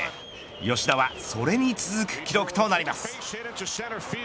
吉田はそれに続く記録となります。